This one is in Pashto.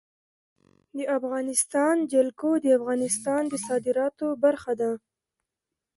د افغانستان جلکو د افغانستان د صادراتو برخه ده.